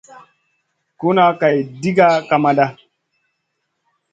Ku nʼa Kay diga kamada.